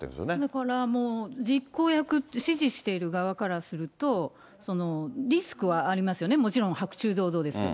だからもう、実行役、指示している側からすると、リスクはありますよね、もちろん白昼堂々ですから。